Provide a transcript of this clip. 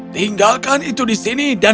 tinggalkan itu di sana